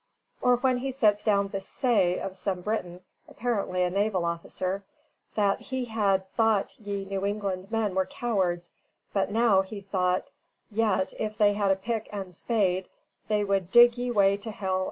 Or when he sets down the "say" of some Briton, apparently a naval officer, "that he had tho't ye New England men were Cowards but now he tho't yt if they had a pick axe & spade, they w'd dig ye way to Hell & storm it."